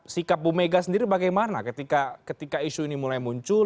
sikap bumega sendiri bagaimana ketika isu ini mulai muncul